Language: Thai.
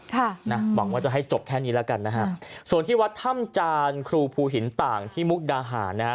ค่ะนะหวังว่าจะให้จบแค่นี้แล้วกันนะฮะส่วนที่วัดถ้ำจานครูภูหินต่างที่มุกดาหารนะฮะ